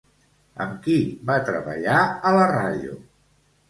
Amb qui va treballar a la ràdio?